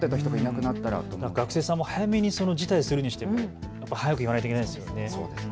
学生さんも辞退するにしても早く言わないといけないですよね。